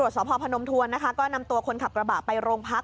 สพพนมทวนนะคะก็นำตัวคนขับกระบะไปโรงพัก